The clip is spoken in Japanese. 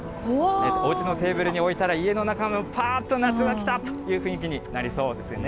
おうちのテーブルに置いたら、家の中にぱーっと夏が来たという雰囲気になりそうですよね。